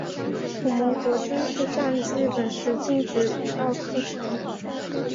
同盟国军事占领日本时禁止武道课程。